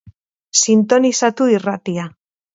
Sintonizatu irratia.